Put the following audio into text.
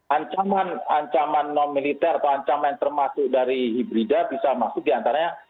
ancaman ancaman non militer atau ancaman termasuk dari hibrida bisa masuk diantaranya